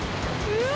うわ！